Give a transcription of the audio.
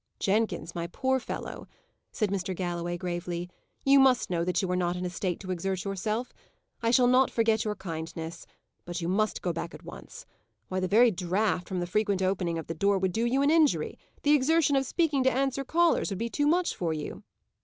"Jenkins, my poor fellow!" said Mr. Galloway, gravely, "you must know that you are not in a state to exert yourself. I shall not forget your kindness; but you must go back at once. Why, the very draught from the frequent opening of the door would do you an injury; the exertion of speaking to answer callers would be too much for you."